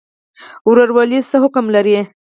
ورورولي څه حکم لري؟